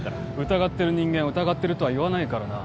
疑ってる人間は疑ってるとは言わないからな。